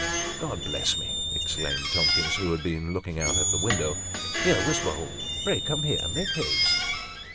" God bless me !" exclaimed Tomkins, who had been looking out at the window. " Here Wisbottle pray come here make haste."